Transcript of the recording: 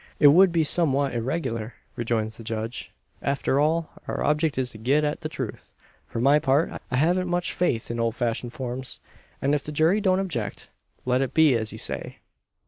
"It would be somewhat irregular," rejoins the judge "After all, our object is to get at the truth. For my part, I haven't much faith in old fashioned forms; and if the jury don't object, let it be as you say."